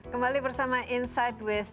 kembali bersama insight with